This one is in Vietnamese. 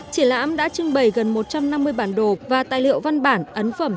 triển lãm đã trưng bày gần một trăm năm mươi bản đồ và tài liệu văn bản ấn phẩm